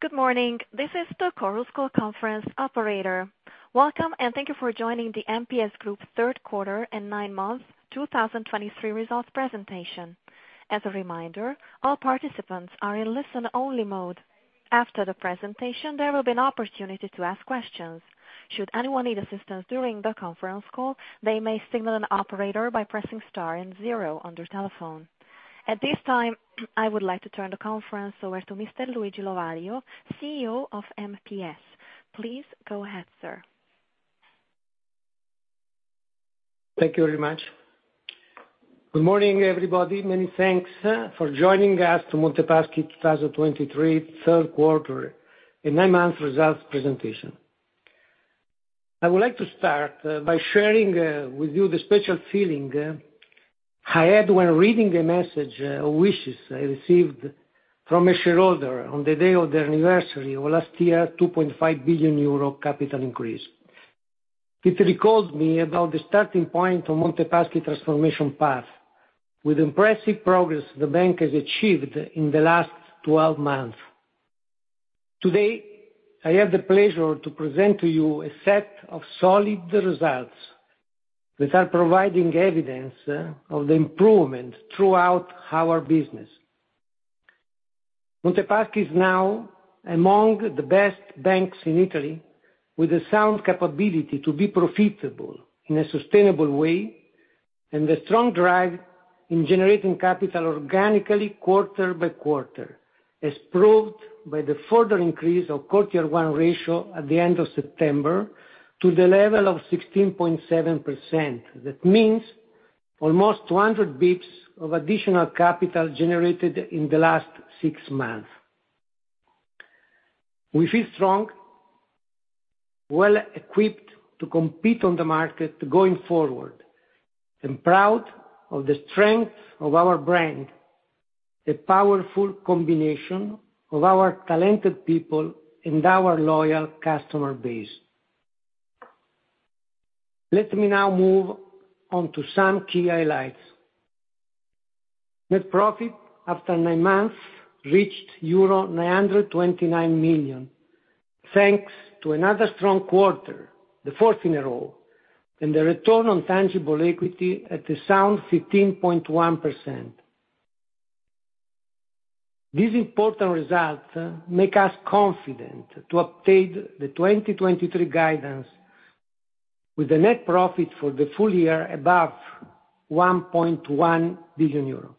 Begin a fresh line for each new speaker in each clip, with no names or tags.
Good morning, this is the Chorus Call conference operator. Welcome, and thank you for joining the MPS Group third quarter and nine-month 2023 results presentation. As a reminder, all participants are in listen-only mode. After the presentation, there will be an opportunity to ask questions. Should anyone need assistance during the conference call, they may signal an operator by pressing star and zero on their telephone. At this time, I would like to turn the conference over to Mr. Luigi Lovaglio, CEO of MPS. Please go ahead, sir.
Thank you very much. Good morning, everybody. Many thanks for joining us to Monte Paschi 2023 third quarter and nine-month results presentation. I would like to start by sharing with you the special feeling I had when reading a message or wishes I received from a shareholder on the day of the anniversary of last year, 2.5 billion euro capital increase. It recalls me about the starting point of Monte Paschi transformation path, with impressive progress the bank has achieved in the last 12 months. Today, I have the pleasure to present to you a set of solid results that are providing evidence of the improvement throughout our business. Monte Paschi is now among the best banks in Italy, with the sound capability to be profitable in a sustainable way, and a strong drive in generating capital organically, quarter-by-quarter, as proved by the further increase of quarter one ratio at the end of September to the level of 16.7%. That means almost 200 bps of additional capital generated in the last six months. We feel strong, well-equipped to compete on the market going forward, and proud of the strength of our brand, the powerful combination of our talented people and our loyal customer base. Let me now move on to some key highlights. Net profit after nine months reached euro 929 million, thanks to another strong quarter, the fourth in a row, and the return on tangible equity at a sound 15.1%. These important results make us confident to obtain the 2023 guidance with a net profit for the full year above 1.1 billion euro.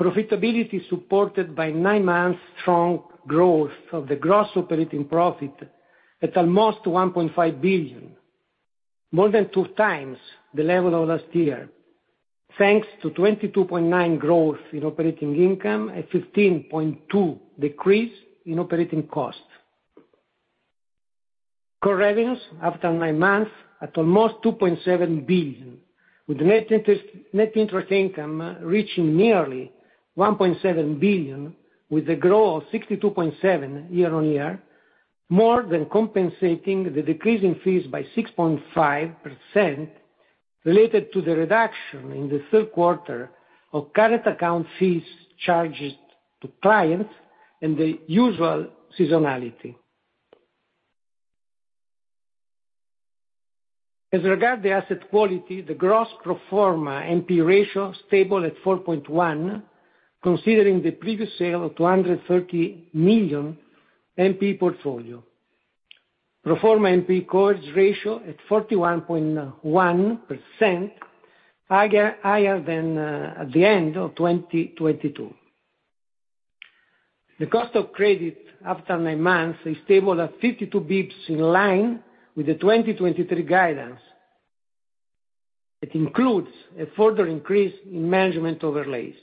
Profitability supported by nine months strong growth of the Gross Operating Profit at almost 1.5 billion, more than 2x the level of last year, thanks to 22.9 growth in operating income at 15.2 decrease in operating costs. Core revenues after nine months, at almost 2.7 billion, with Net Interest Income reaching nearly 1.7 billion, with a growth of 62.7 year-on-year, more than compensating the decrease in fees by 6.5% related to the reduction in the third quarter of current account fees charged to clients and the usual seasonality. As regards the asset quality, the gross pro forma NP ratio stable at 4.1, considering the previous sale of 230 million NP portfolio. Pro forma NP coverage ratio at 41.1%, higher, higher than, at the end of 2022. The cost of credit after nine months is stable at 52 basis points, in line with the 2023 guidance. It includes a further increase in management overlays.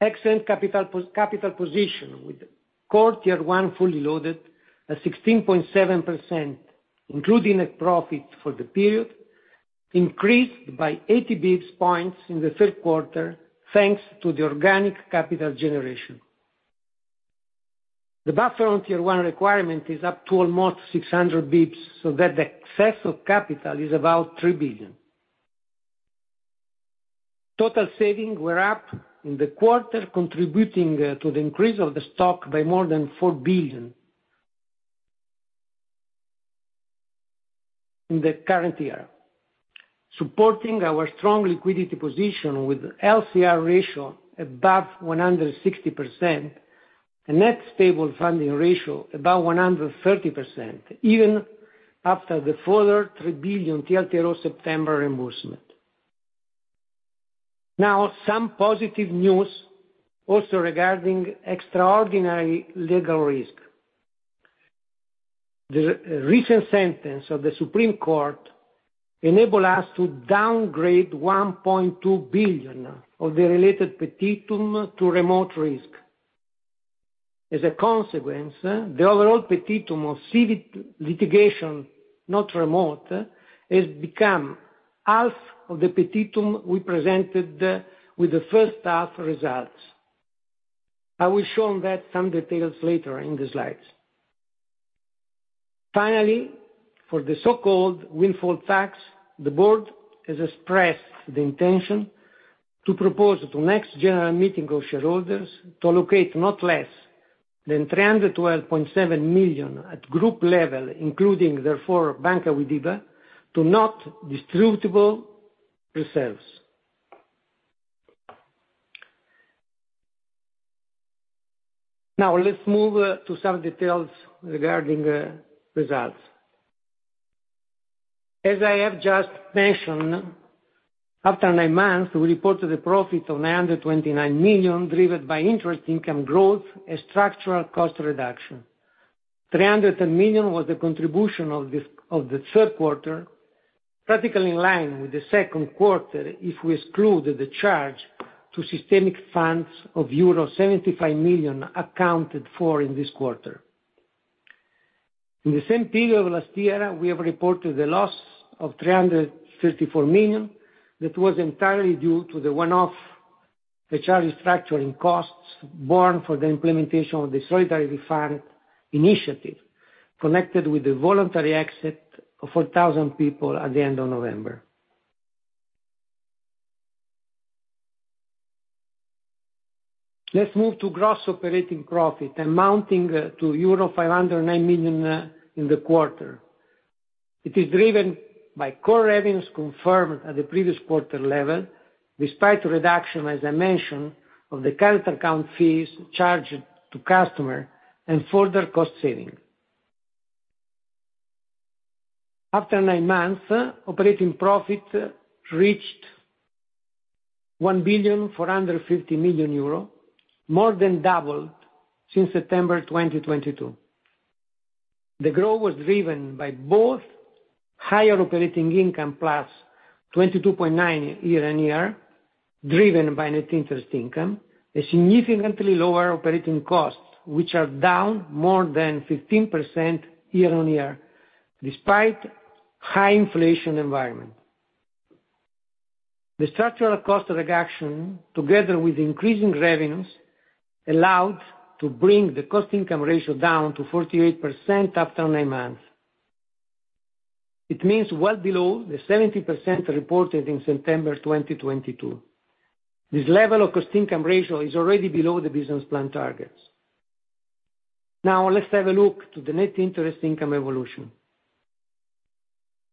Excellent capital position, with core tier one fully loaded at 16.7%, including a profit for the period, increased by 80 basis points in the third quarter, thanks to the organic capital generation. The buffer on tier one requirement is up to almost 600 basis points, so that the excess of capital is about 3 billion. Total savings were up in the quarter, contributing to the increase of the stock by more than 4 billion in the current year, supporting our strong liquidity position with LCR ratio above 160%. The net stable funding ratio, about 130%, even after the further 3 billion TLTRO September reimbursement. Now, some positive news also regarding extraordinary legal risk. The recent sentence of the Supreme Court enables us to downgrade 1.2 billion of the related petitum to remote risk. As a consequence, the overall petitum of Civil Litigation, not remote, has become half of the petitum we presented with the first half results. I will show on that some details later in the slides. Finally, for the so-called Windfall Tax, the board has expressed the intention to propose to next general meeting of shareholders to allocate not less than 312.7 million at group level, including therefore, Banca Widiba, to non-distributable reserves. Now, let's move to some details regarding results. As I have just mentioned, after nine months, we reported a profit of 929 million, driven by interest income growth and structural cost reduction. 300 million was the contribution of the third quarter, practically in line with the second quarter, if we excluded the charge to systemic funds of euro 75 million accounted for in this quarter. In the same period of last year, we have reported a loss of 334 million, that was entirely due to the one-off HR restructuring costs borne for the implementation of the Solidarity Fund initiative, connected with the voluntary exit of 4,000 people at the end of November. Let's move to gross operating profit, amounting to euro 509 million in the quarter. It is driven by core revenues confirmed at the previous quarter level, despite the reduction, as I mentioned, of the current account fees charged to customer and further cost saving. After nine months, operating profit reached 1,450 million euro, more than doubled since September 2022. The growth was driven by both higher operating income, +22.9% year-on-year, driven by net interest income, a significantly lower operating costs, which are down more than 15% year-on-year, despite high inflation environment. The structural cost reduction, together with increasing revenues, allowed to bring the cost income ratio down to 48% after nine months. It means well below the 70% reported in September 2022. This level of cost income ratio is already below the business plan targets. Now, let's have a look to the net interest income evolution.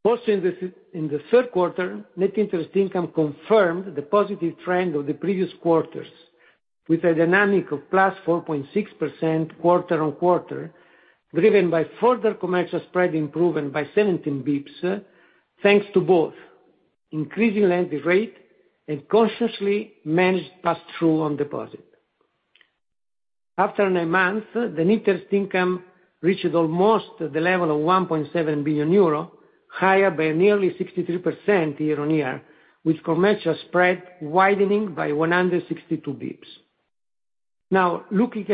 Also, in the third quarter, net interest income confirmed the positive trend of the previous quarters, with a dynamic of +4.6% quarter-on-quarter, driven by further commercial spread improvement by 17 bps, thanks to both increasing lending rate and cautiously managed pass-through on deposit. After nine months, the net interest income reached almost the level of 1.7 billion euro, higher by nearly 63% year-on-year, with commercial spread widening by 162 bps. Now, looking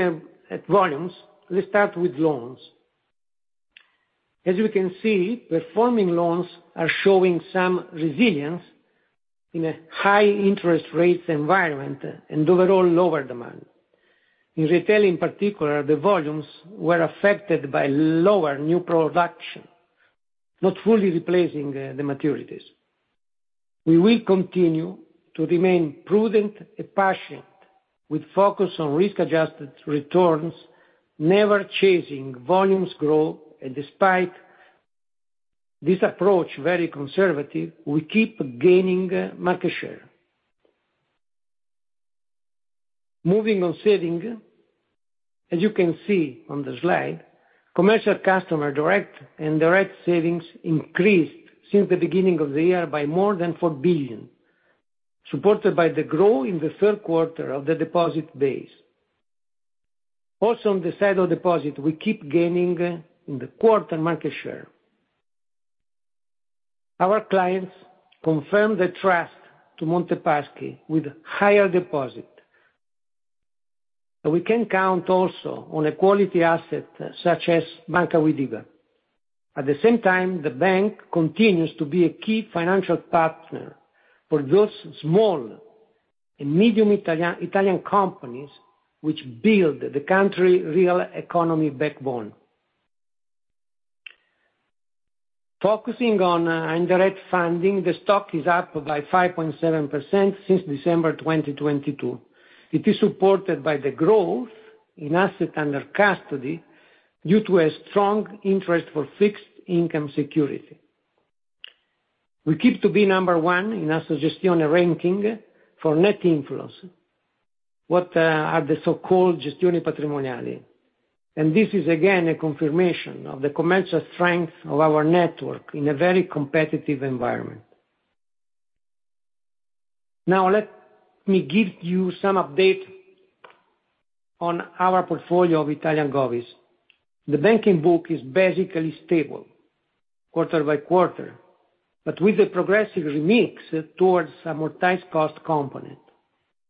at volumes, let's start with loans. As you can see, performing loans are showing some resilience in a high interest rates environment and overall lower demand. In retail, in particular, the volumes were affected by lower new production, not fully replacing the maturities. We will continue to remain prudent and patient, with focus on risk-adjusted returns, never chasing volumes growth, and despite this approach, very conservative, we keep gaining market share. Moving on to savings, as you can see on the slide, commercial customer deposits and direct savings increased since the beginning of the year by more than 4 billion, supported by the growth in the third quarter of the deposit base. Also, on the side of deposit, we keep gaining in the quarter market share. Our clients confirm the trust to Monte Paschi with higher deposit. We can count also on a quality asset, such as Banca Widiba. At the same time, the bank continues to be a key financial partner for those small and medium Italian companies, which build the country's real economy backbone. Focusing on indirect funding, the stock is up by 5.7% since December 2022. It is supported by the growth in asset under custody due to a strong interest for fixed income security. We keep to be number one in Assogestioni ranking for net inflows, what are the so-called gestione patrimoniali, and this is again a confirmation of the commercial strength of our network in a very competitive environment. Now, let me give you some update on our portfolio of Italian Govies. The banking book is basically stable quarter by quarter, but with a progressive remix towards amortized cost component.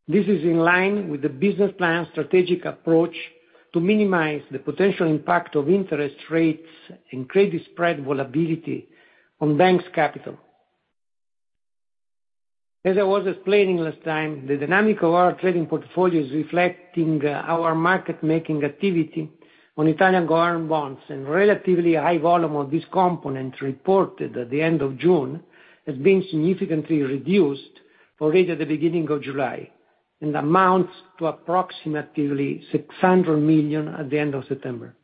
This is in line with the business plan strategic approach to minimize the potential impact of interest rates and credit spread volatility on bank's capital. As I was explaining last time, the dynamic of our trading portfolio is reflecting our market-making activity on Italian government bonds, and relatively high volume of this component reported at the end of June has been significantly reduced already at the beginning of July, and amounts to approximately 600 million at the end of September.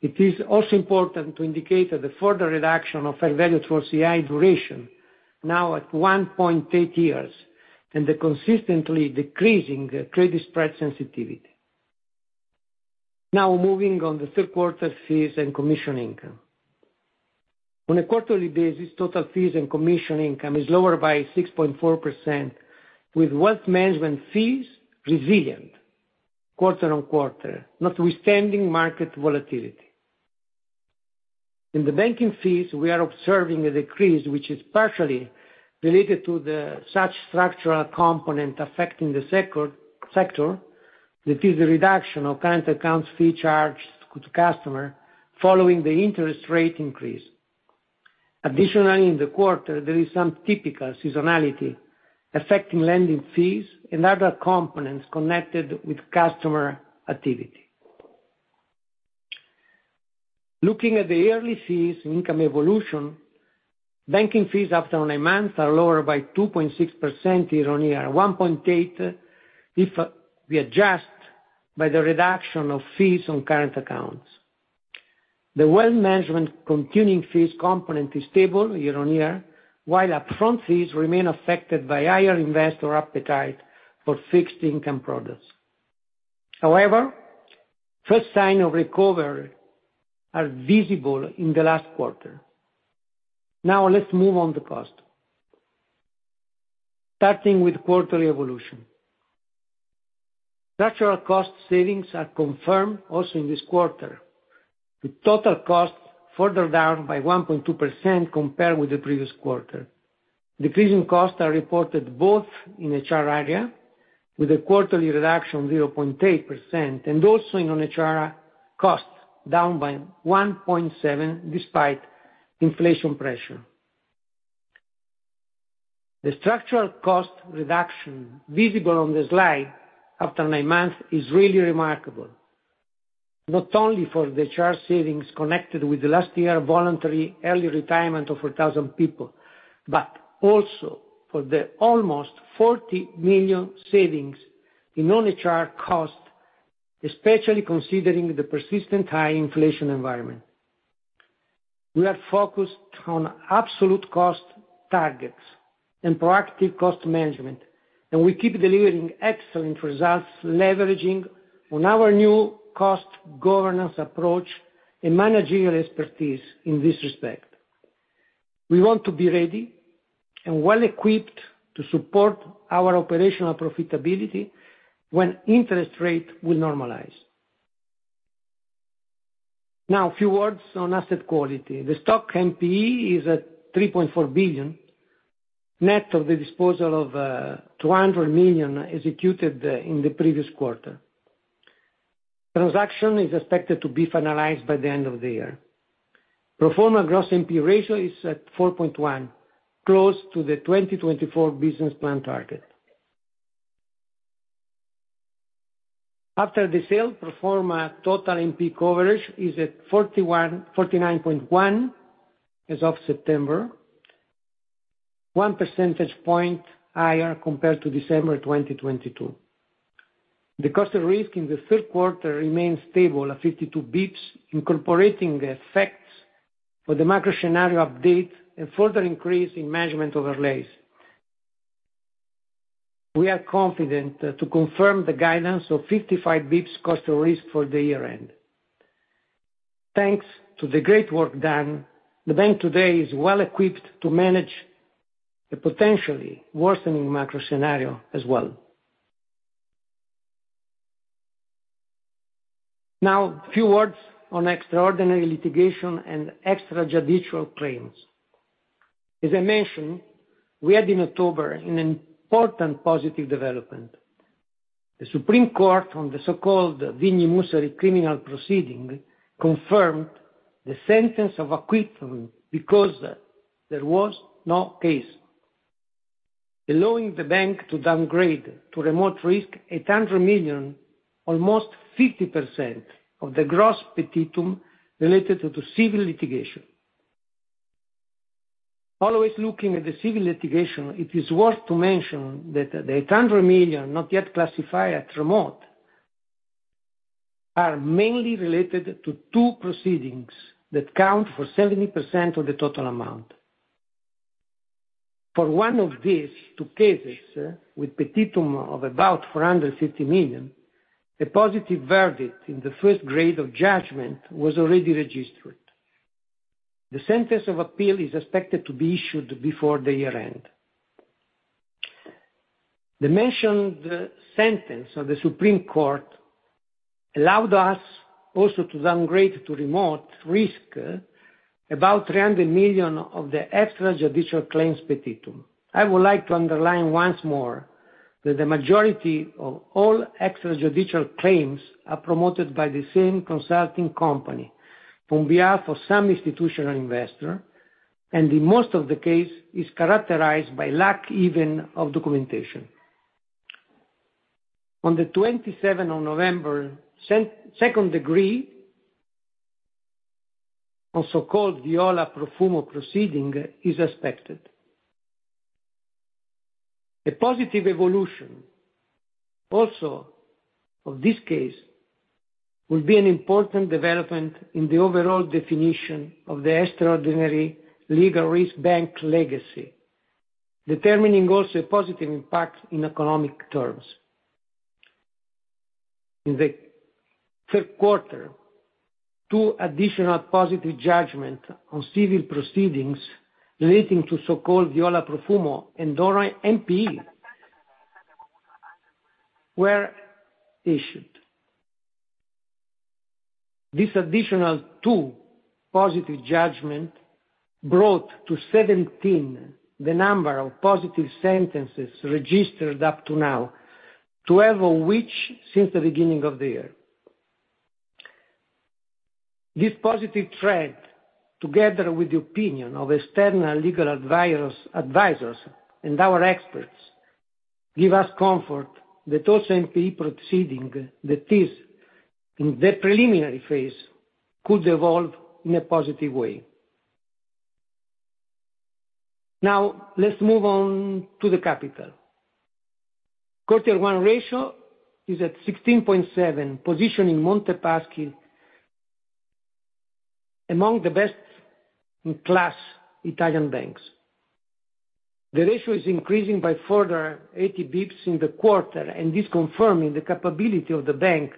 It is also important to indicate that the further reduction of fair value towards CI duration, now at 1.8 years, and the consistently decreasing credit spread sensitivity. Now moving on to the third quarter fees and commission income. On a quarterly basis, total fees and commission income is lower by 6.4%, with wealth management fees resilient quarter-on-quarter, notwithstanding market volatility. In the banking fees, we are observing a decrease, which is partially related to the such structural component affecting the sector, that is the reduction of current accounts fee charged to customer following the interest rate increase. Additionally, in the quarter, there is some typical seasonality affecting lending fees and other components connected with customer activity. Looking at the yearly fees and income evolution, banking fees after nine months are lower by 2.6% year-on-year, 1.8 if we adjust by the reduction of fees on current accounts. The wealth management continuing fees component is stable year-on-year, while upfront fees remain affected by higher investor appetite for fixed income products. However, first sign of recovery are visible in the last quarter. Now let's move on to cost. Starting with quarterly evolution. Structural cost savings are confirmed also in this quarter, with total costs further down by 1.2% compared with the previous quarter. Decreasing costs are reported both in HR area, with a quarterly reduction of 0.8%, and also in non-HR costs, down by 1.7%, despite inflation pressure. The structural cost reduction visible on the slide after nine months is really remarkable, not only for the HR savings connected with the last year voluntary early retirement of 1,000 people, but also for the almost 40 million savings in non-HR costs, especially considering the persistent high inflation environment. We are focused on absolute cost targets and proactive cost management, and we keep delivering excellent results, leveraging on our new cost governance approach and managerial expertise in this respect. We want to be ready and well-equipped to support our operational profitability when interest rate will normalize. Now, a few words on asset quality. The stock NPE is at 3.4 billion, net of the disposal of 200 million executed in the previous quarter. Transaction is expected to be finalized by the end of the year. Pro forma gross NPE ratio is at 4.1%, close to the 2024 business plan target. After the sale, pro forma total NPE coverage is at 49.1% as of September, one percentage point higher compared to December 2022. The cost of risk in the third quarter remains stable at 52 bps, incorporating the effects for the macro scenario update and further increase in management overlays. We are confident to confirm the guidance of 55 bps cost of risk for the year-end. Thanks to the great work done, the bank today is well-equipped to manage the potentially worsening macro scenario as well. Now, a few words on extraordinary litigation and extrajudicial claims. As I mentioned, we had in October an important positive development. The Supreme Court, on the so-called Vigni Mussari criminal proceeding, confirmed the sentence of acquittal because there was no case, allowing the bank to downgrade to remote risk 800 million, almost 50% of the gross petitum related to Civil Litigation. Always looking at the Civil Litigation, it is worth to mention that the 800 million not yet classified as remote are mainly related to two proceedings that count for 70% of the total amount. For one of these two cases, with petitum of about 450 million, a positive verdict in the first grade of judgment was already registered. The sentence of appeal is expected to be issued before the year-end. The mentioned sentence of the Supreme Court allowed us also to downgrade to remote risk about 300 million of the extrajudicial claims petitum. I would like to underline once more that the majority of all extrajudicial claims are promoted by the same consulting company on behalf of some institutional investor, and in most of the case, is characterized by lack even of documentation. On November 27, second degree, on so-called Viola Profumo proceeding, is expected. A positive evolution, also of this case, will be an important development in the overall definition of the extraordinary legal risk bank legacy, determining also a positive impact in economic terms. In the third quarter, two additional positive judgments on civil proceedings relating to so-called Viola Profumo and Dora NPE were issued. These additional two positive judgments brought to 17 the number of positive sentences registered up to now, 12 of which since the beginning of the year. This positive trend, together with the opinion of external legal advisors and our experts, give us comfort that also NPE proceeding that is in the preliminary phase, could evolve in a positive way. Now, let's move on to the capital. Core Tier 1 ratio is at 16.7, positioning Monte Paschi among the best in class Italian banks. The ratio is increasing by further 80 bps in the quarter, and this confirming the capability of the bank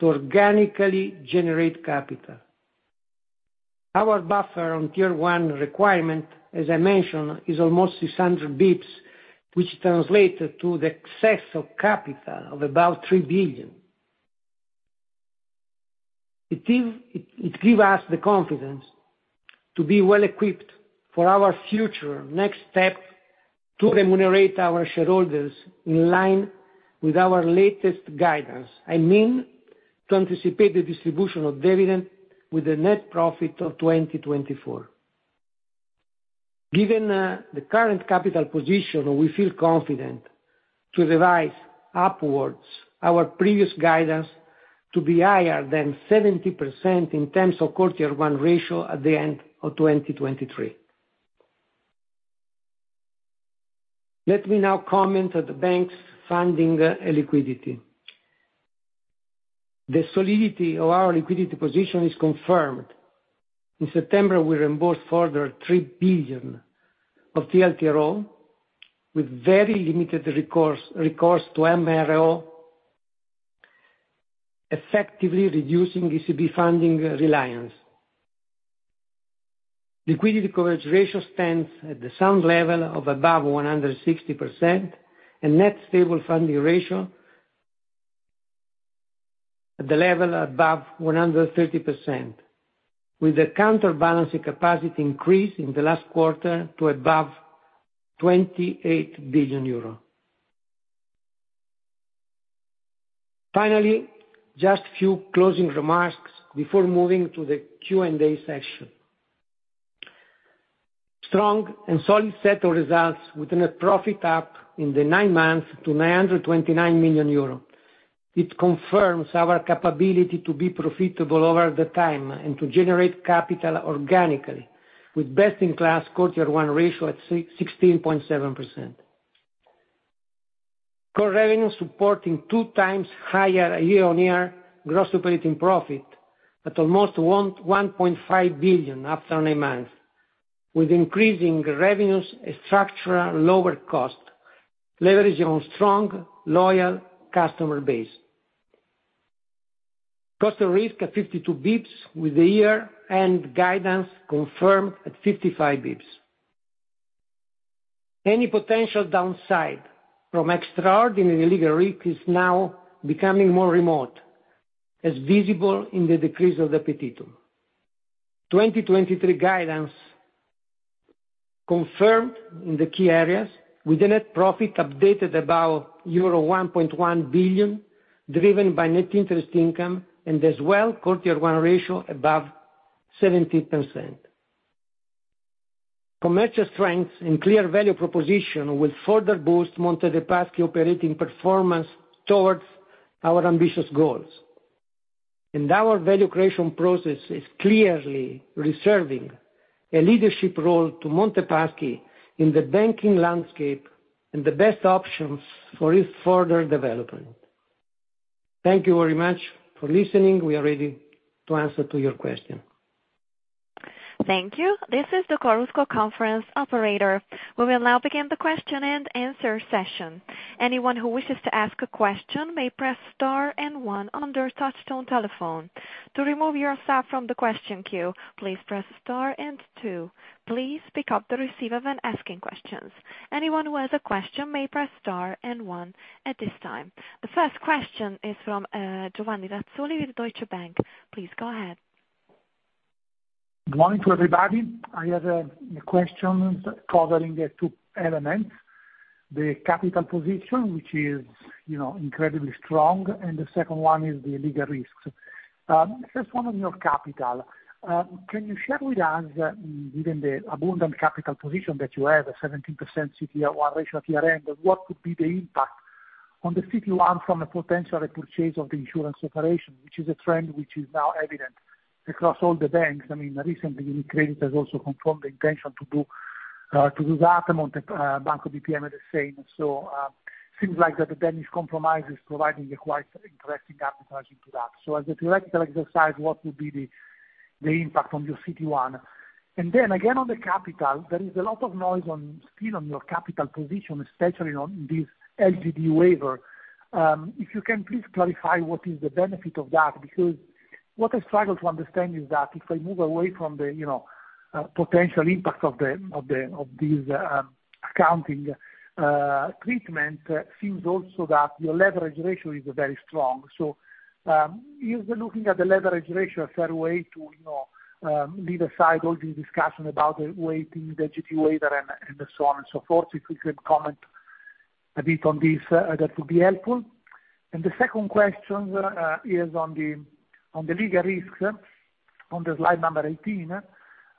to organically generate capital. Our buffer on Tier 1 requirement, as I mentioned, is almost 600 bps, which translated to the excess of capital of about 3 billion. It gives us the confidence to be well-equipped for our future next step to remunerate our shareholders in line with our latest guidance. I mean, to anticipate the distribution of dividend with a net profit of 2024. Given the current capital position, we feel confident to revise upwards our previous guidance to be higher than 70% in terms of Core Tier 1 ratio at the end of 2023. Let me now comment on the bank's funding and liquidity. The solidity of our liquidity position is confirmed. In September, we reimbursed further 3 billion of TLTRO, with very limited recourse, recourse to MRO, effectively reducing ECB funding reliance. Liquidity coverage ratio stands at the sound level of above 160%, and net stable funding ratio at the level above 130%, with a counterbalancing capacity increase in the last quarter to above 28 billion euro. Finally, just a few closing remarks before moving to the Q&A session. Strong and solid set of results with a net profit up in the nine months to 929 million euros. It confirms our capability to be profitable over the time and to generate capital organically, with best-in-class Core Tier One ratio at 16.7%. Core revenue supporting two times higher year-on-year gross operating profit at almost 1.5 billion after nine months, with increasing revenues and structural lower cost, leveraging on strong, loyal customer base. Cost of risk at 52 bps with the year-end guidance confirmed at 55 bps. Any potential downside from extraordinary legal risk is now becoming more remote, as visible in the decrease of the petitum. 2023 guidance confirmed in the key areas, with the net profit updated about euro 1.1 billion, driven by net interest income and as well, Core Tier 1 ratio above 70%. Commercial strength and clear value proposition will further boost Monte dei Paschi operating performance towards our ambitious goals, and our value creation process is clearly reserving a leadership role to Monte Paschi in the banking landscape and the best options for its further development. Thank you very much for listening. We are ready to answer to your question.
Thank you. This is the Chorus Call conference operator. We will now begin the question-and-answer session. Anyone who wishes to ask a question may press star and one on their touchtone telephone. To remove yourself from the question queue, please press star and two. Please pick up the receiver when asking questions. Anyone who has a question may press star and one at this time. The first question is from Giovanni Razzoli with Deutsche Bank. Please go ahead.
Good morning to everybody. I have questions covering the two elements, the capital position, which is, you know, incredibly strong, and the second one is the legal risks. First one on your capital. Can you share with us, given the abundant capital position that you have, a 17% CET1 ratio at your end, what could be the impact on the CET1 from the potential repurchase of the insurance operation, which is a trend which is now evident across all the banks? I mean, recently, UniCredit has also confirmed the intention to do to do that, among the Banco BPM at the same. So, seems like that the Danish Compromise is providing a quite interesting arbitrage into that. So as a theoretical exercise, what would be the impact on your CET1? And then again, on the capital, there is a lot of noise on, still on your capital position, especially on this LGD waiver. If you can please clarify what is the benefit of that? Because what I struggle to understand is that if I move away from the, you know, potential impact of the, of this accounting treatment, seems also that your leverage ratio is very strong. So, is looking at the leverage ratio a fair way to, you know, leave aside all the discussion about the weighting, the GT waiver and so on and so forth? If you could comment a bit on this, that would be helpful. And the second question is on the legal risks, on the slide number 18.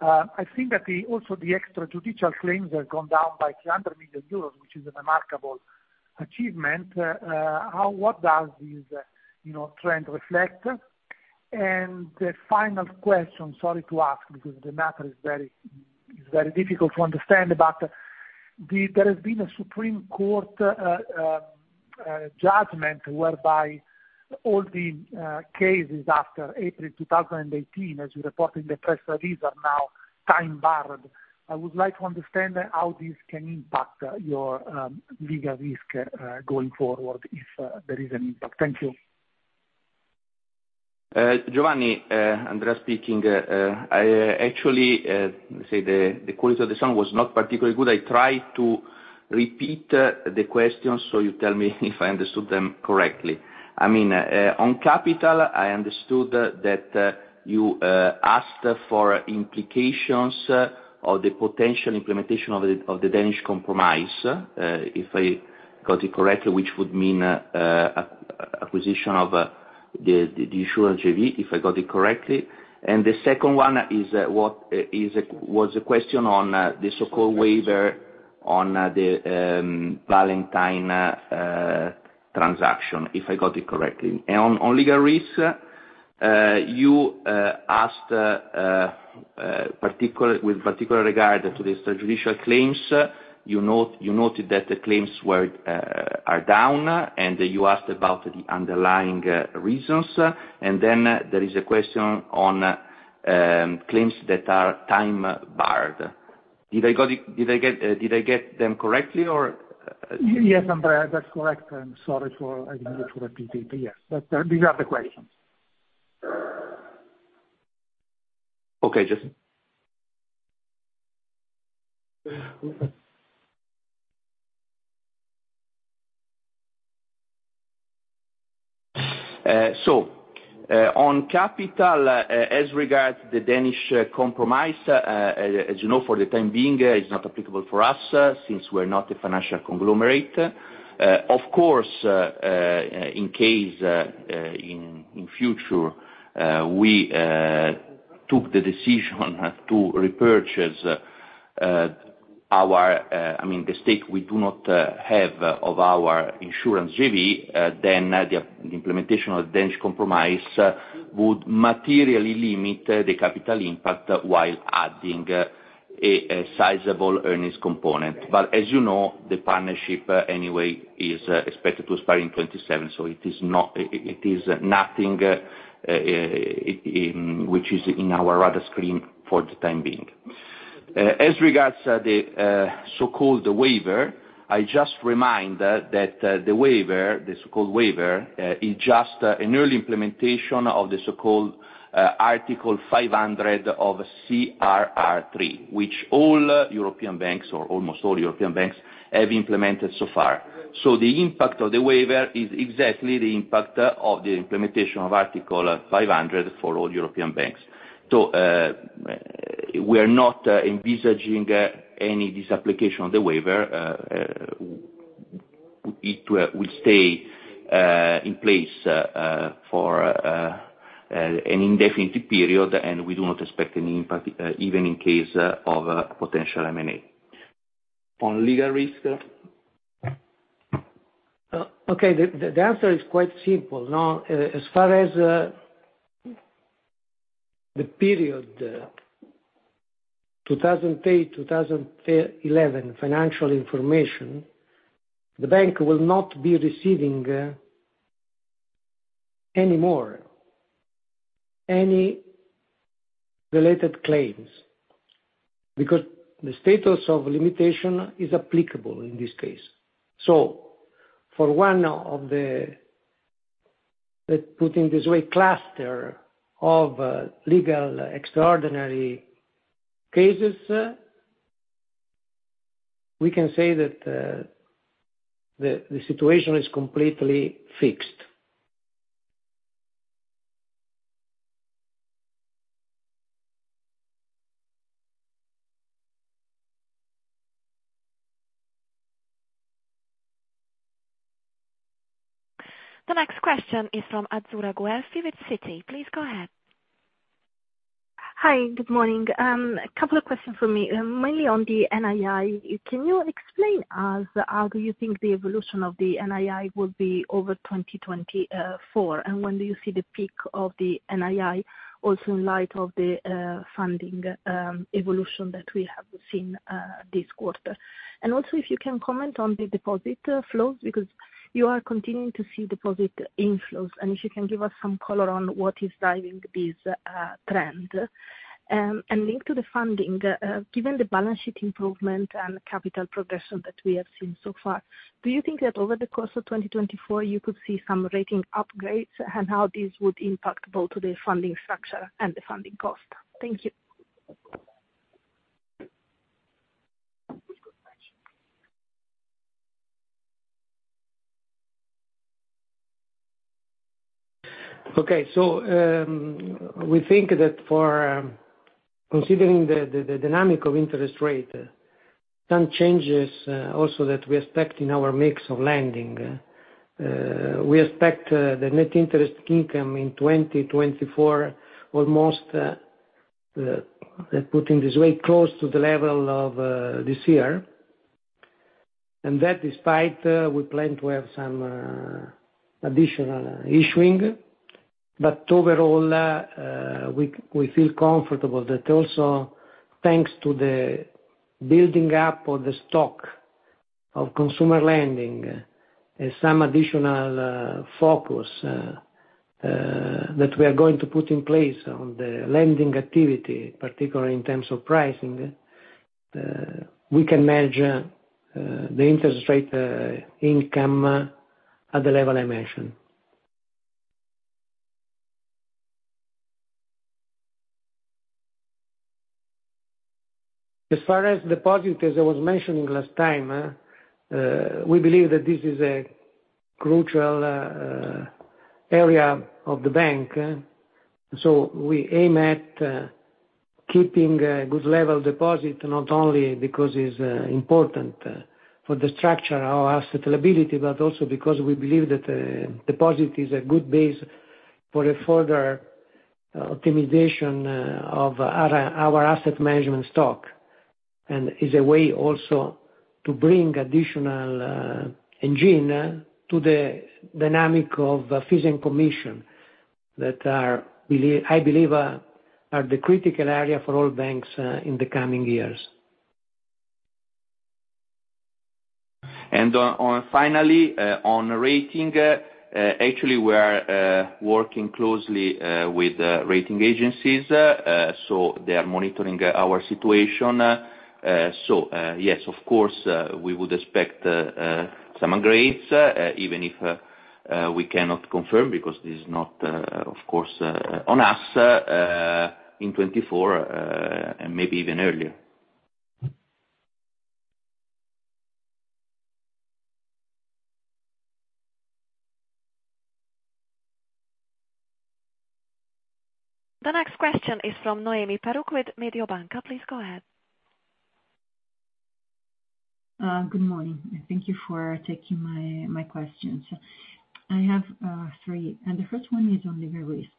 I think that the, also the extra judicial claims have gone down by 300 million euros, which is a remarkable achievement. How, what does this, you know, trend reflect? And the final question, sorry to ask, because the matter is very difficult to understand, but there has been a Supreme Court judgment whereby all the cases after April 2018, as you reported in the press release, are now time-barred. I would like to understand how this can impact your legal risk going forward, if there is an impact. Thank you.
Giovanni, Andrea speaking. I actually say the quality of the sound was not particularly good. I tried to repeat the questions, so you tell me if I understood them correctly. I mean, on capital, I understood that you asked for implications of the potential implementation of the Danish Compromise, if I got it correctly, which would mean acquisition of the insurance JV, if I got it correctly. And the second one is what was a question on the so-called waiver on the Valentine transaction, if I got it correctly. And on legal risks, you asked with particular regard to the judicial claims. You noted that the claims are down, and you asked about the underlying reasons. Then there is a question on claims that are time-barred. Did I get, did I get them correctly or?
Yes, Andrea, that's correct. I'm sorry for, I didn't repeat it, but yes, but these are the questions.
Okay, just... on capital, as regards to the Danish Compromise, as you know, for the time being, it's not applicable for us, since we're not a financial conglomerate. Of course, in case, in future, we took the decision to repurchase, our, I mean, the stake we do not have of our insurance JV, then the implementation of the Danish Compromise would materially limit the capital impact while adding a sizable earnings component. But as you know, the partnership anyway is expected to expire in 2027, so it is not, it is nothing which is in our radar screen for the time being. As regards to the so-called waiver, I just remind that the waiver, the so-called waiver, is just an early implementation of the so-called Article 500 of CRR3, which all European banks, or almost all European banks, have implemented so far. So the impact of the waiver is exactly the impact of the implementation of Article 500 for all European banks. So, we are not envisaging any disapplication of the waiver, it will stay in place for an indefinite period, and we do not expect any impact even in case of a potential M&A. On legal risk?
Okay, the answer is quite simple. Now, as far as the period 2008-2011 financial information, the bank will not be receiving any more related claims, because the statute of limitations is applicable in this case. So for one of the, let's put it this way, cluster of legal extraordinary cases, we can say that the situation is completely fixed.
The next question is from Azzurra Guelfi with Citi. Please go ahead.
Hi, good morning. A couple of questions from me, mainly on the NII. Can you explain us how do you think the evolution of the NII will be over 2024? And when do you see the peak of the NII, also in light of the funding evolution that we have seen this quarter? And also, if you can comment on the deposit flows, because you are continuing to see deposit inflows, and if you can give us some color on what is driving this trend. And linked to the funding, given the balance sheet improvement and capital progression that we have seen so far, do you think that over the course of 2024, you could see some rating upgrades, and how this would impact both the funding structure and the funding cost? Thank you.
Okay. So, we think that for considering the dynamic of interest rate, some changes, also that we expect in our mix of lending. We expect the net interest income in 2024, almost, let's put it this way, close to the level of this year. And that despite we plan to have some additional issuing, but overall, we feel comfortable that also thanks to the building up of the stock of consumer lending, and some additional focus that we are going to put in place on the lending activity, particularly in terms of pricing, we can manage the interest rate income, at the level I mentioned. As far as deposit, as I was mentioning last time, we believe that this is a crucial area of the bank, so we aim at keeping a good level deposit, not only because it's important for the structure, our asset liability, but also because we believe that deposit is a good base for a further optimization of our asset management stock. And is a way also to bring additional engine to the dynamic of fees and commission, that are believe- I believe are, are the critical area for all banks in the coming years.
Finally, on rating, actually we're working closely with rating agencies, so they are monitoring our situation. So, yes, of course, we would expect some upgrades, even if we cannot confirm because this is not, of course, on us, in 2024, and maybe even earlier.
The next question is from Noemi Peruch with Mediobanca. Please go ahead.
Good morning, and thank you for taking my questions. I have three, and the first one is on the risk.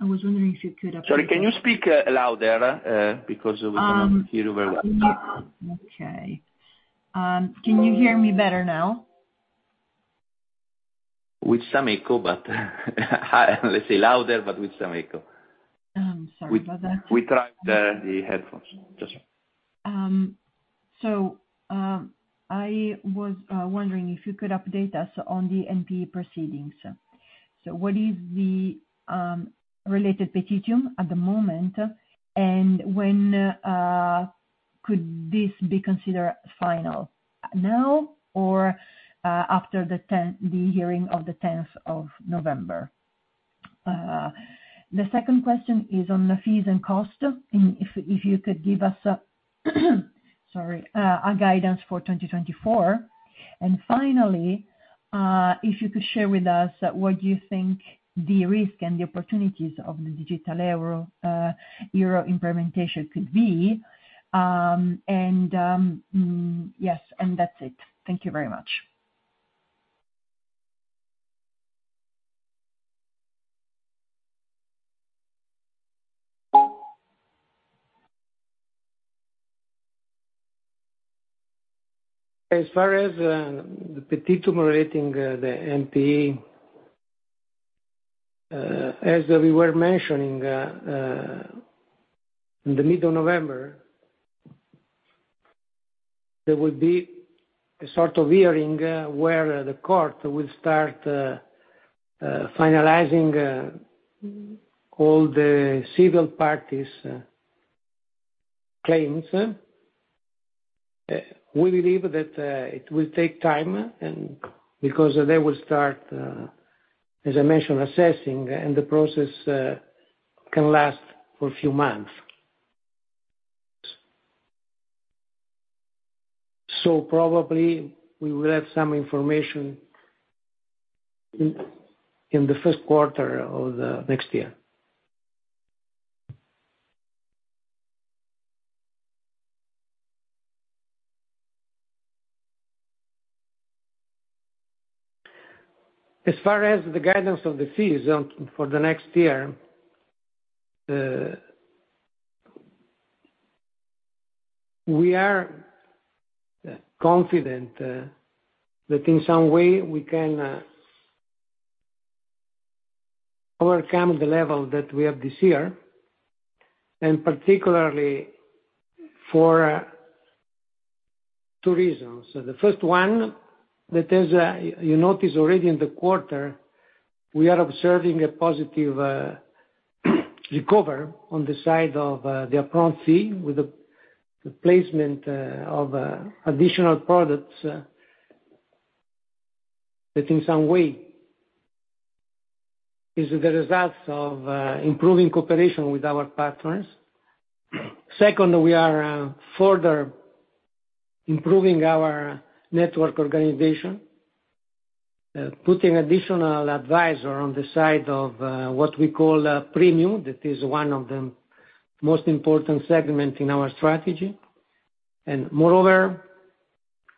I was wondering if you could-
Sorry, can you speak louder? Because we cannot hear you very well.
Okay. Can you hear me better now?
With some echo, but let's say louder, but with some echo.
I'm sorry about that.
We tried the headphones. Just check.
So, I was wondering if you could update us on the NPA proceedings. So what is the related petitum at the moment, and when could this be considered final? Now or after the hearing of the tenth of November? The second question is on the fees and cost, and if you could give us a guidance for 2024. And finally, if you could share with us what you think the risk and the opportunities of the digital euro implementation could be. And that's it. Thank you very much.
As far as the petitum rating, the NPE, as we were mentioning, in the middle of November, there will be a sort of hearing, where the court will start finalizing all the civil parties' claims. We believe that it will take time and because they will start, as I mentioned, assessing, and the process can last for a few months. So probably we will have some information in the first quarter of the next year. As far as the guidance of the fees on for the next year, we are confident that in some way we can overcome the level that we have this year, and particularly for two reasons. The first one, that is, you notice already in the quarter, we are observing a positive recovery on the side of the upfront fee, with the placement of additional products that in some way is the results of improving cooperation with our partners. Second, we are further improving our network organization, putting additional advisor on the side of what we call premium. That is one of the most important segment in our strategy. And moreover,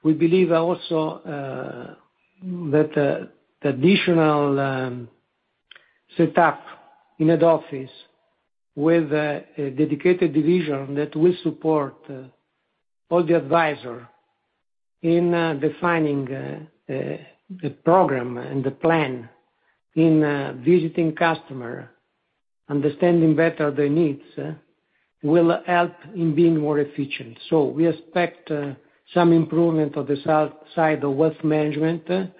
we believe also that the additional setup in head office with a dedicated division that will support all the advisor in defining the program and the plan in visiting customer, understanding better their needs, will help in being more efficient. So we expect some improvement on this outside of wealth management,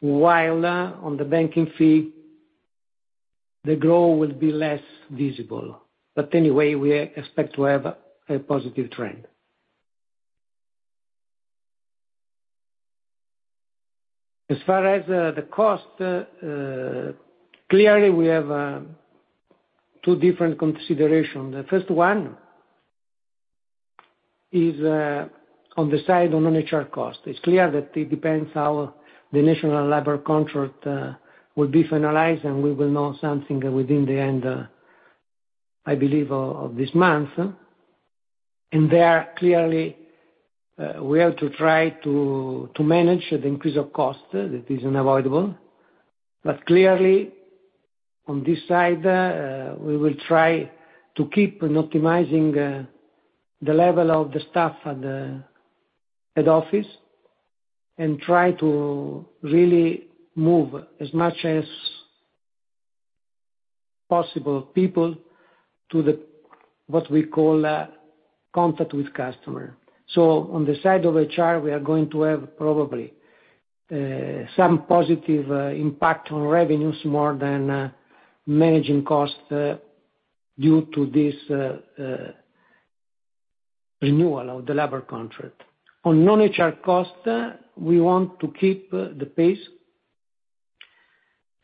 while on the banking fee, the growth will be less visible. But anyway, we expect to have a positive trend. As far as the cost, clearly, we have two different consideration. The first one is on the side on HR cost. It's clear that it depends how the national labor contract will be finalized, and we will know something within the end, I believe, of this month. And there, clearly, we have to try to manage the increase of cost, that is unavoidable. But clearly, on this side, we will try to keep on optimizing the level of the staff at the head office and try to really move as much as possible people to the, what we call, contact with customer. So on the side of HR, we are going to have probably some positive impact on revenues, more than managing costs due to this renewal of the labor contract. On non-HR costs, we want to keep the pace,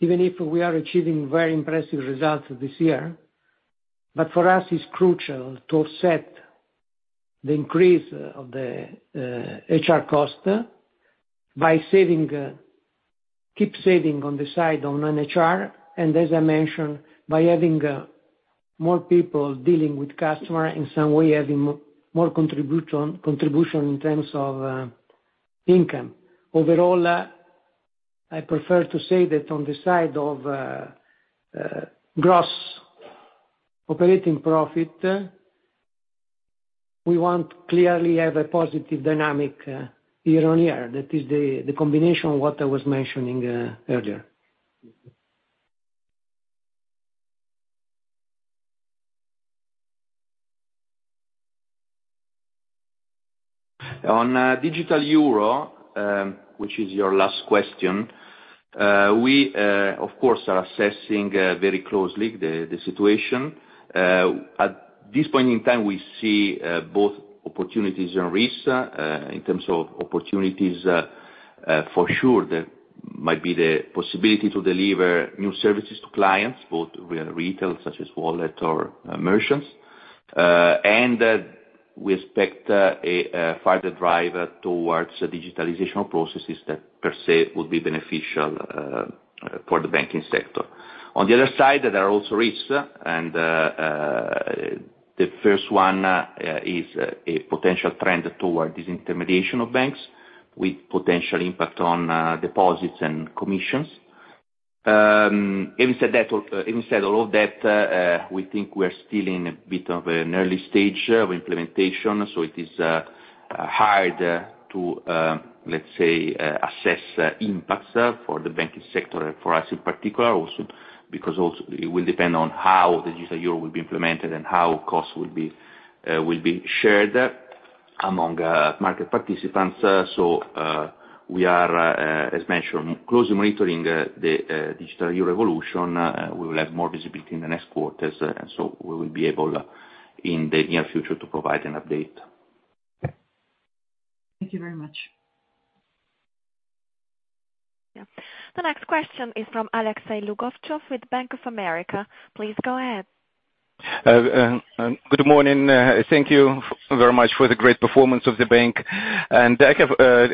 even if we are achieving very impressive results this year. But for us, it's crucial to offset the increase of the HR cost by saving, keep saving on the side of non-HR, and as I mentioned, by having more people dealing with customer, in some way, having more contribution in terms of income. Overall, I prefer to say that on the side of gross operating profit, we want clearly have a positive dynamic year on year. That is the combination of what I was mentioning earlier.
On Digital Euro, which is your last question, we, of course, are assessing very closely the situation. At this point in time, we see both opportunities and risks. In terms of opportunities, for sure, that might be the possibility to deliver new services to clients, both with retail, such as wallet or merchants, and we expect a further drive towards the digitalization processes that per se will be beneficial for the banking sector. On the other side, there are also risks, and the first one is a potential trend towards disintermediation of banks, with potential impact on deposits and commissions. Having said that, having said all of that, we think we're still in a bit of an early stage of implementation, so it is hard to, let's say, assess impacts for the banking sector and for us in particular also, because also it will depend on how the Digital Euro will be implemented and how costs will be shared among market participants. So, we are, as mentioned, closely monitoring the digital evolution. We will have more visibility in the next quarters, and so we will be able in the near future to provide an update.
Thank you very much.
The next question is from Alexei Demyanov with Bank of America. Please go ahead.
Good morning, thank you very much for the great performance of the bank. I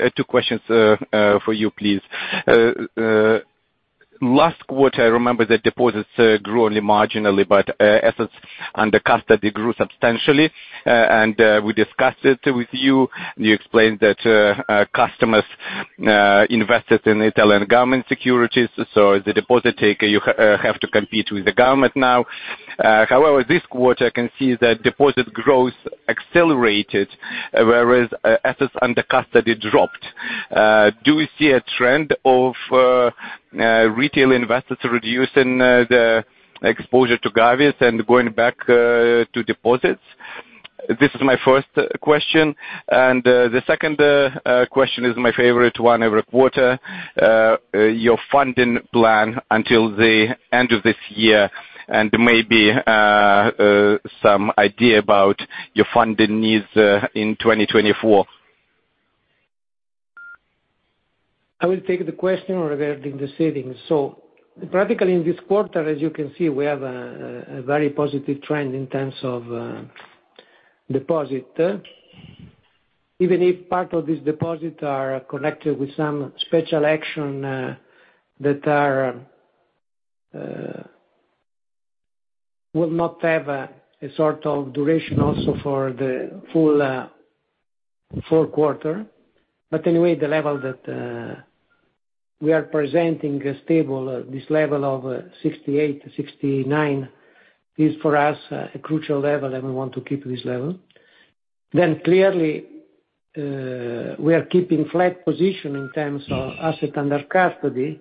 have two questions for you, please. Last quarter, I remember the deposits grew only marginally, but assets under custody grew substantially. We discussed it with you, and you explained that customers invested in Italian government securities, so the depositor taker, you have to compete with the government now. However, this quarter, I can see that deposit growth accelerated, whereas assets under custody dropped. Do we see a trend of retail investors reducing the exposure to government and going back to deposits? This is my first question. The second question is my favorite one every quarter, your funding plan until the end of this year, and maybe some idea about your funding needs in 2024.
I will take the question regarding the savings. So practically, in this quarter, as you can see, we have a very positive trend in terms of deposit. Even if part of this deposit are connected with some special action that will not have a sort of duration also for the full fourth quarter. But anyway, the level that we are presenting is stable. This level of 68-69 is, for us, a crucial level, and we want to keep this level. Then clearly, we are keeping flat position in terms of asset under custody,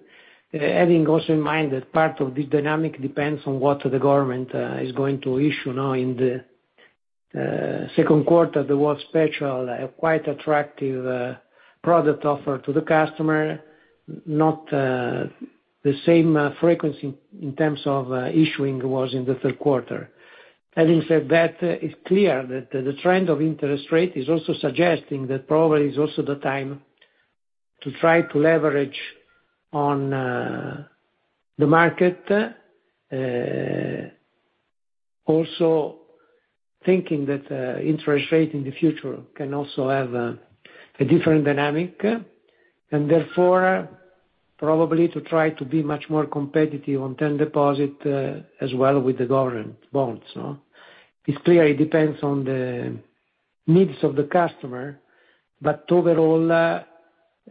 having also in mind that part of this dynamic depends on what the government is going to issue. Now, in the second quarter, there was special quite attractive product offer to the customer, not the same frequency in terms of issuing was in the third quarter. Having said that, it's clear that the trend of interest rate is also suggesting that probably is also the time to try to leverage on the market also thinking that interest rate in the future can also have a different dynamic, and therefore, probably to try to be much more competitive on term deposit as well with the government bonds, no? This clearly depends on the needs of the customer, but overall,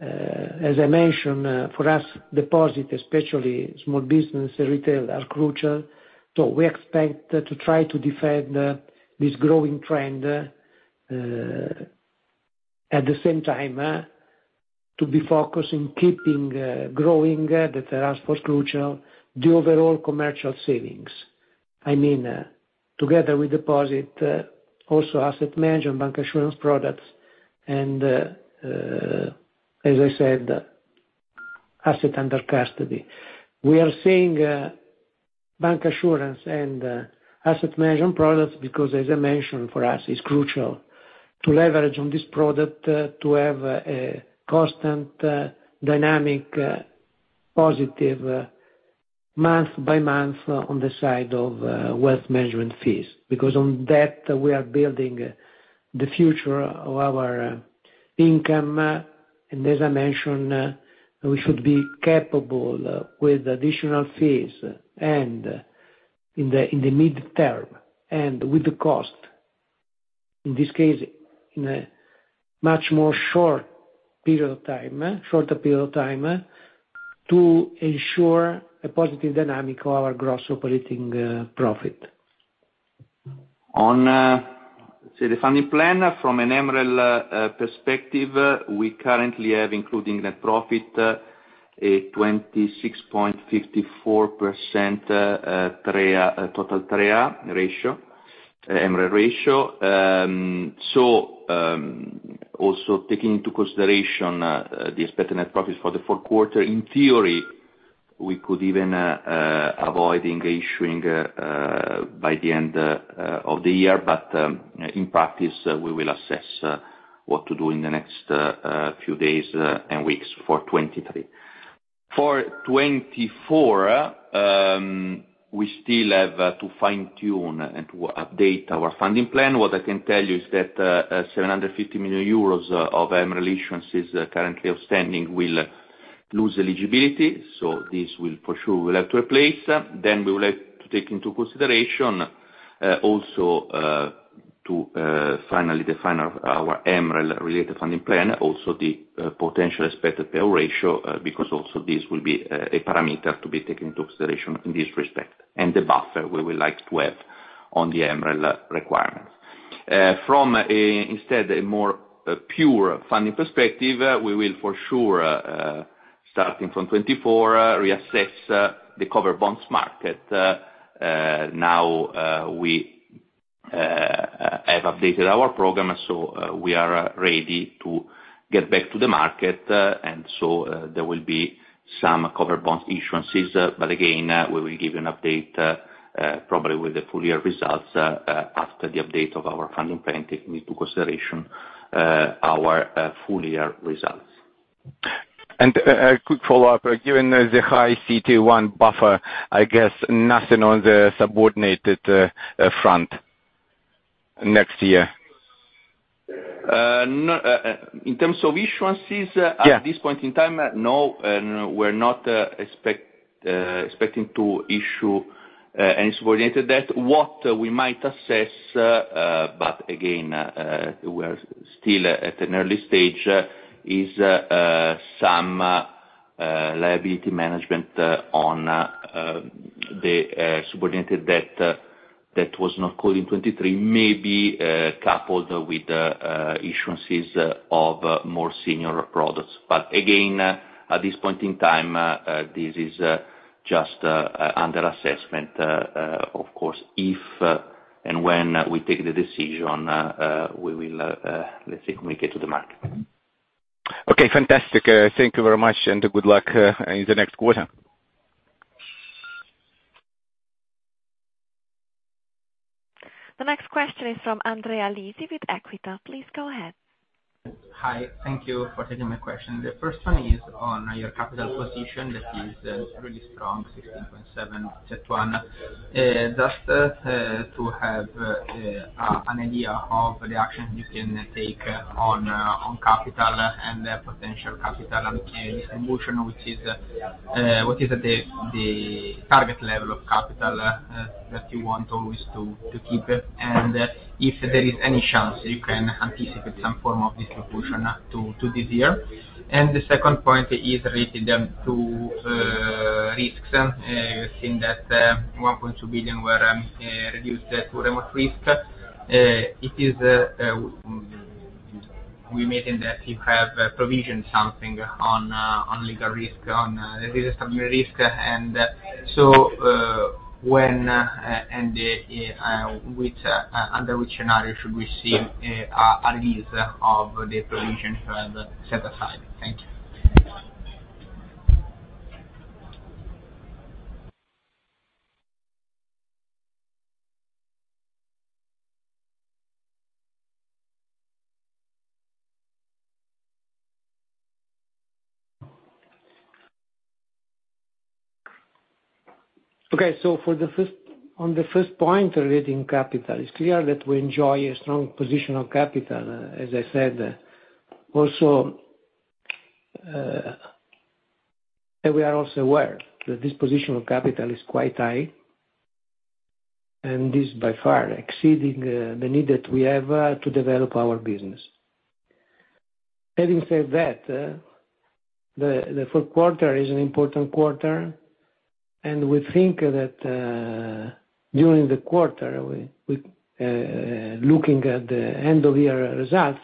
as I mentioned, for us, deposit, especially small business and retail, are crucial. So we expect to try to defend this growing trend, at the same time to be focused in keeping growing that for us crucial, the overall commercial savings. I mean, together with deposit, also asset management, bancassurance products, and, as I said, asset under custody. We are seeing bancassurance and asset management products, because as I mentioned, for us, it's crucial to leverage on this product to have a constant, dynamic, positive month by month on the side of wealth management fees, because on that, we are building the future of our income. As I mentioned, we should be capable with additional fees and in the mid-term, and with the cost, in this case, in a much shorter period of time, to ensure a positive dynamic of our Gross Operating Profit.
On the funding plan from an MREL perspective, we currently have, including net profit, a 26.54% TREA, total TREA ratio, MREL ratio. So, also taking into consideration the expected net profits for the fourth quarter, in theory, we could even avoid issuing by the end of the year. But, in practice, we will assess what to do in the next few days and weeks for 2023. For 2024, we still have to fine-tune and to update our funding plan. What I can tell you is that 750 million euros of MREL issuances currently outstanding will lose eligibility, so this will for sure we'll have to replace. Then we would like to take into consideration also to finally define our our MREL-related funding plan also the potential expected payout ratio because also this will be a parameter to be taken into consideration in this respect, and the buffer we would like to have on the MREL requirements. From a, instead, a more pure funding perspective, we will for sure starting from 2024 reassess the cover bonds market. Now we have updated our program, so we are ready to get back to the market, and so there will be some cover bond issuances. But again, we will give you an update probably with the full year results after the update of our funding plan, taking into consideration our full year results.
A quick follow-up. Given the high CET1 buffer, I guess nothing on the subordinated front next year?
No, in terms of issuances-
Yeah.
At this point in time, no, and we're not expecting to issue any subordinated debt. What we might assess, but again, we are still at an early stage, is some liability management on the subordinated debt that was not called in 2023, maybe, coupled with issuances of more senior products. But again, at this point in time, this is just under assessment. Of course, if and when we take the decision, we will, let's say, communicate to the market.
Okay, fantastic. Thank you very much, and good luck in the next quarter.
The next question is from Andrea Lisi with Equita. Please go ahead.
Hi. Thank you for taking my question. The first one is on your capital position, that is, really strong, 16.7% CET1. Just, to have, an idea of the action you can take on, on capital and the potential capital and distribution, which is, what is the, the target level of capital, that you want always to, to keep it? And the second point is relating them to, risks, seeing that, 1.2 billion were, reduced to remote risk. It is, we imagine that you have provisioned something on legal risk, on risk, and so under which scenario should we see a release of the provision you have set aside? Thank you.
Okay. On the first point, relating capital, it's clear that we enjoy a strong position of capital, as I said. Also, and we are also aware that this position of capital is quite high, and this by far exceeding the need that we have to develop our business. Having said that, the fourth quarter is an important quarter, and we think that during the quarter, looking at the end of year results,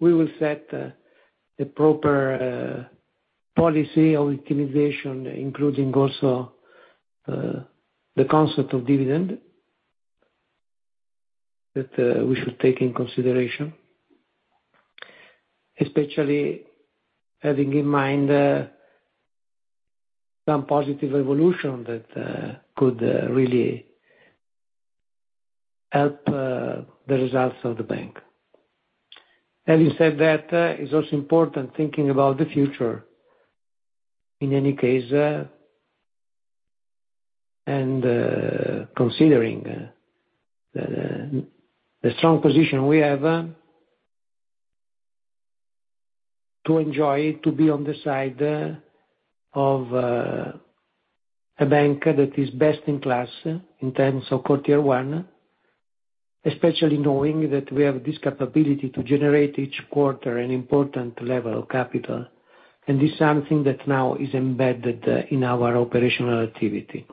we will set the proper policy or optimization, including also the concept of dividend that we should take in consideration. Especially having in mind some positive evolution that could really help the results of the bank. Having said that, it's also important thinking about the future, in any case, and considering the strong position we have to enjoy to be on the side of a bank that is best in class in terms of Core Tier 1, especially knowing that we have this capability to generate each quarter an important level of capital. This is something that now is embedded in our operational activity.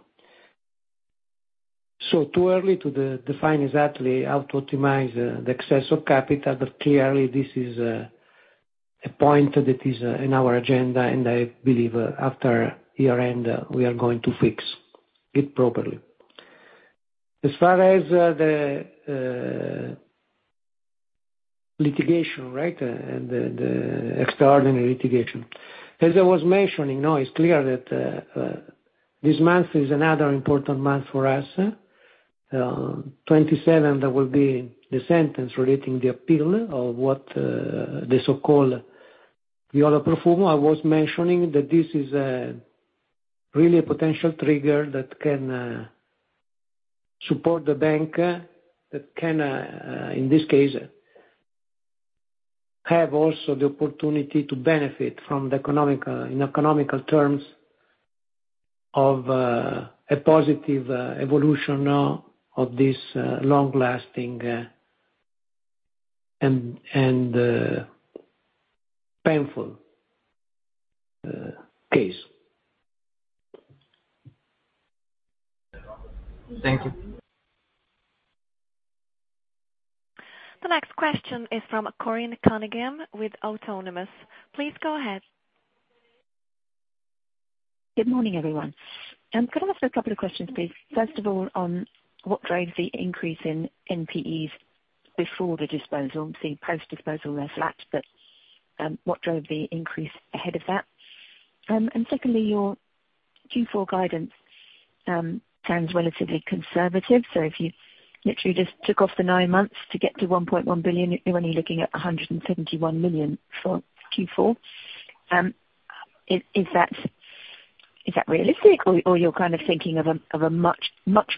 Too early to define exactly how to optimize the excess of capital, but clearly this is a point that is in our agenda, and I believe after year-end, we are going to fix it properly. As far as the litigation, right, and the extraordinary litigation. As I was mentioning, now it's clear that this month is another important month for us. 2027, there will be the sentence relating the appeal of the so-called Viola Profumo. I was mentioning that this is really a potential trigger that can support the bank, that can, in this case, have also the opportunity to benefit from the economic, in economic terms of, a positive evolution now of this long-lasting and painful case.
Thank you.
The next question is from Corinne Cunningham with Autonomous. Please go ahead.
Good morning, everyone. Can I ask a couple of questions, please? First of all, on what drives the increase in NPEs before the disposal, the post-disposal, they're flat, but, what drove the increase ahead of that? And secondly, your Q4 guidance sounds relatively conservative. So if you literally just took off the nine months to get to 1.1 billion, you're only looking at 171 million for Q4. Is that realistic or you're kind of thinking of a much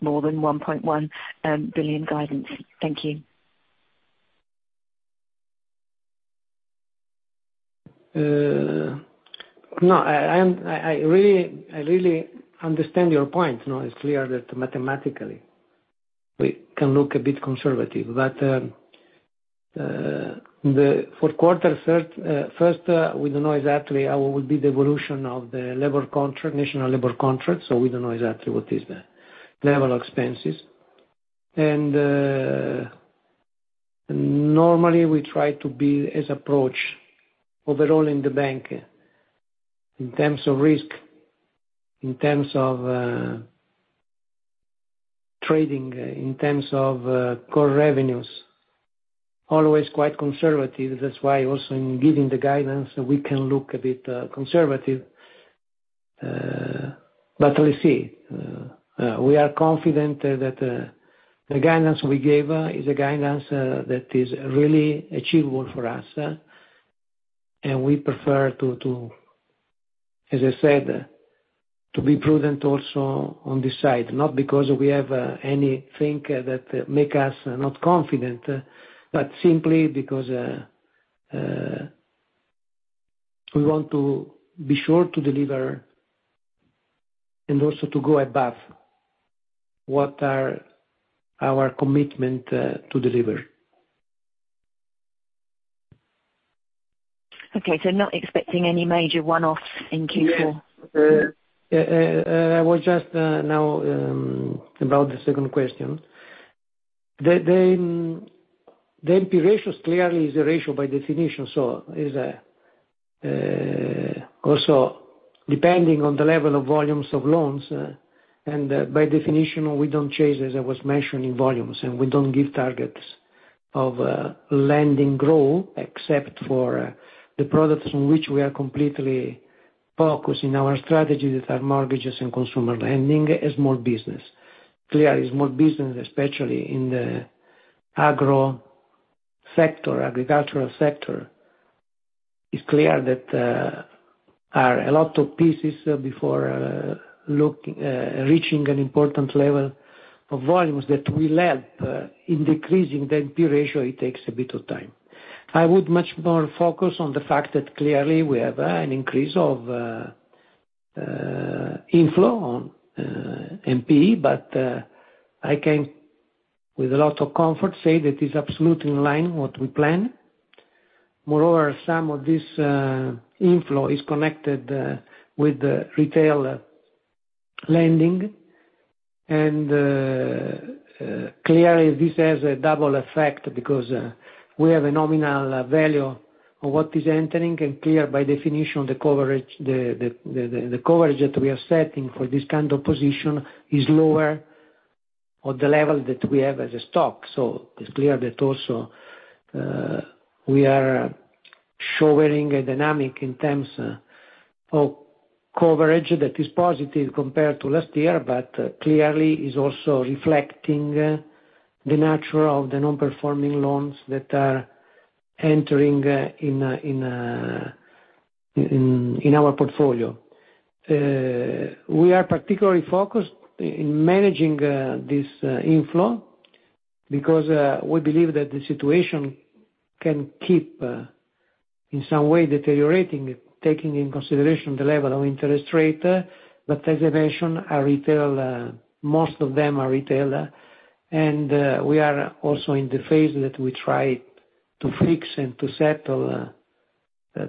more than 1.1 billion guidance? Thank you.
No, I really understand your point. No, it's clear that mathematically we can look a bit conservative, but the fourth quarter, third, first, we don't know exactly how will be the evolution of the labor contract, national labor contract, so we don't know exactly what is the level of expenses. Normally, we try to be as approach overall in the bank in terms of risk, in terms of trading, in terms of core revenues, always quite conservative. That's why also in giving the guidance, we can look a bit conservative. But we'll see. We are confident that the guidance we gave is a guidance that is really achievable for us, and we prefer to, to, as I said, to be prudent also on this side, not because we have anything that make us not confident, but simply because we want to be sure to deliver and also to go above what are our commitment to deliver.
Okay. So not expecting any major one-offs in Q4?
Yes. I was just now about the second question. The NPE ratios clearly is a ratio by definition, so is also depending on the level of volumes of loans, and by definition, we don't change, as I was mentioning, volumes, and we don't give targets of lending growth, except for the products in which we are completely focused in our strategy, that are mortgages and consumer lending and small business. Clearly, small business, especially in the Agro sector, agricultural sector, it's clear that are a lot of pieces before reaching an important level of volumes that will help in decreasing the NPE ratio, it takes a bit of time. I would much more focus on the fact that clearly we have an increase of inflow on NPE, but I can, with a lot of comfort, say that is absolutely in line what we plan. Moreover, some of this inflow is connected with the retail lending, and clearly, this has a double effect because we have a nominal value of what is entering, and clear by definition, the coverage that we are setting for this kind of position is lower on the level that we have as a stock. So it's clear that also, we are showing a dynamic in terms of coverage that is positive compared to last year, but clearly is also reflecting the nature of the nonperforming loans that are entering in our portfolio. We are particularly focused in managing this inflow because we believe that the situation can keep in some way deteriorating, taking into consideration the level of interest rate. But as I mentioned, our retail, most of them are retail, and we are also in the phase that we try to fix and to settle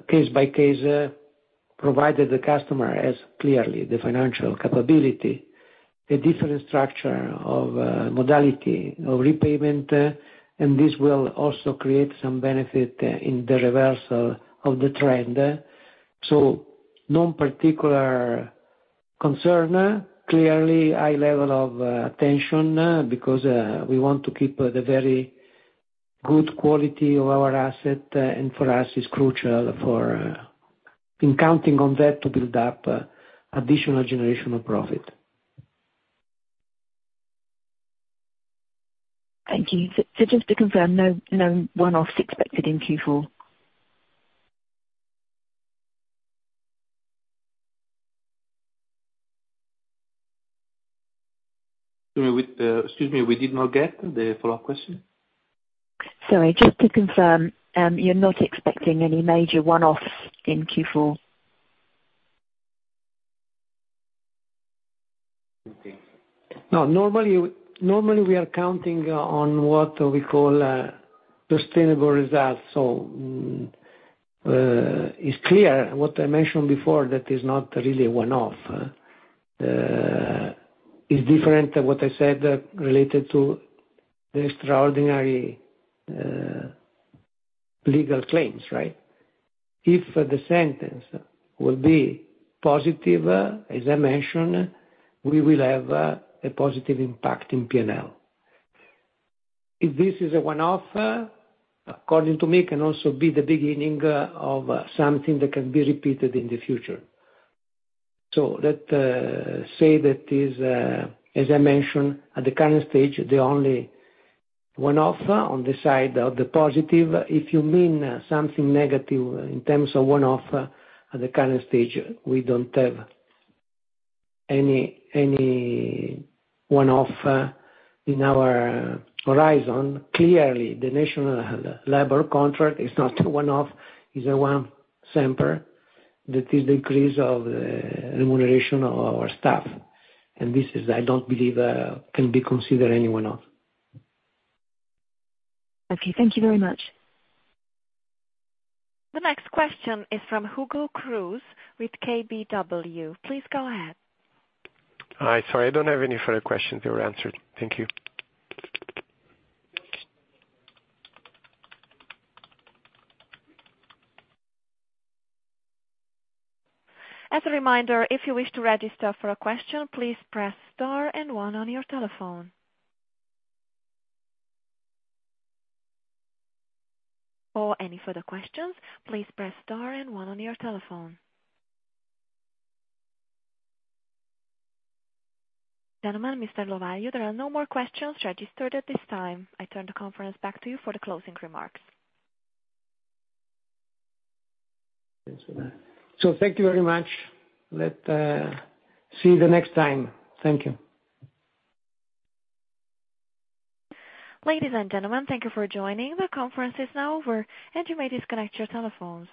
case by case, provided the customer has clearly the financial capability, a different structure of modality of repayment, and this will also create some benefit in the reversal of the trend. So no particular concern. Clearly, high level of attention, because we want to keep the very good quality of our asset, and for us, it's crucial for in counting on that to build up additional generational profit.
Thank you. So, so just to confirm, no, no one-offs expected in Q4?
Excuse me, we did not get the follow-up question.
Sorry, just to confirm, you're not expecting any major one-offs in Q4?
No. Normally, normally, we are counting on what we call sustainable results. So, it's clear what I mentioned before, that is not really a one-off. It's different than what I said related to the extraordinary legal claims, right? If the sentence will be positive, as I mentioned, we will have a positive impact in P&L. If this is a one-off, according to me, it can also be the beginning of something that can be repeated in the future. So, let's say that is, as I mentioned, at the current stage, the only one-off on the side of the positive. If you mean something negative in terms of one-off, at the current stage, we don't have any, any one-off in our horizon. Clearly, the national labor contract is not a one-off, it's a permanent, that is the increase of remuneration of our staff, and this is, I don't believe, can be considered any one-off.
Okay. Thank you very much.
The next question is from Hugo Cruz with KBW. Please go ahead.
Hi. Sorry, I don't have any further questions. They were answered. Thank you.
As a reminder, if you wish to register for a question, please press star and one on your telephone. For any further questions, please press star and one on your telephone. Gentlemen, Mr. Lovaglio, there are no more questions registered at this time. I turn the conference back to you for the closing remarks.
So thank you very much. See you the next time. Thank you.
Ladies and gentlemen, thank you for joining. The conference is now over, and you may disconnect your telephones.